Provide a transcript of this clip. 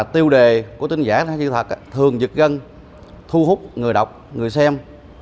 tiêu đề của tin giả tin sai sự thật thường dựt gân thu hút người đọc người xem